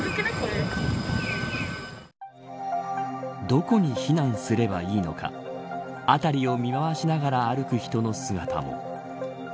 どこに避難すればいいのか辺りを見回しながら歩く人の姿も。